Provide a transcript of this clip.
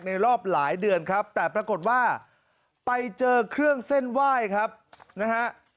รอบหลายเดือนครับแต่ปรากฏว่าไปเจอเครื่องเส้นไหว้ครับนะฮะ